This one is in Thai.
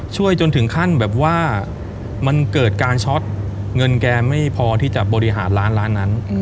จนถึงขั้นแบบว่ามันเกิดการช็อตเงินแกไม่พอที่จะบริหารร้านร้านนั้น